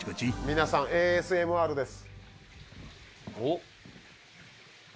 皆さんＡＳＭＲです。